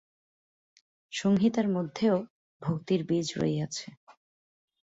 সংহিতার মধ্যেও ভক্তির বীজ রহিয়াছে।